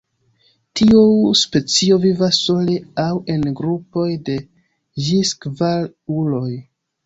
Tiu specio vivas sole aŭ en grupoj de ĝis kvar uloj.